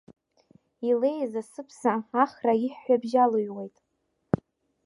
Илеиз асыԥса Ахра иҳәҳәабжь алыҩуеит.